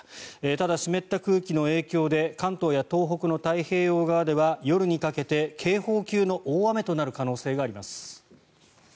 ただ、湿った空気の影響で関東や東北の太平洋側では夜にかけて警報級の大雨となる可能性があります。